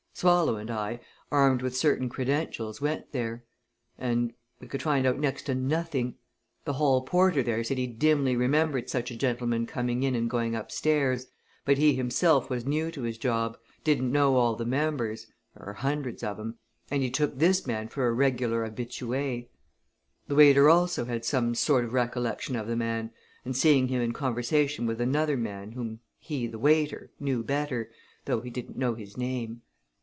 Swallow and I, armed with certain credentials, went there. And we could find out next to nothing. The hall porter there said he dimly remembered such a gentleman coming in and going upstairs, but he himself was new to his job, didn't know all the members there are hundreds of 'em and he took this man for a regular habitue. A waiter also had some sort of recollection of the man, and seeing him in conversation with another man whom he, the waiter, knew better, though he didn't know his name.